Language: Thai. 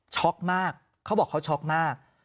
ช็อคมากเขาบอกว่าเขาช็อคมาก